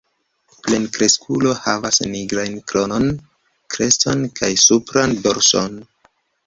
Plenkreskulo havas nigrajn kronon, kreston kaj supran dorson.